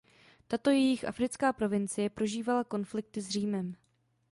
Tato jejich africká provincie prožívala konflikty s Římem.